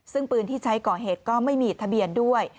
ซึ่งปืนที่ใช้ก่อเหตุก็ไม่มีทะเบียนด้วย